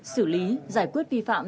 xử lý giải quyết vi phạm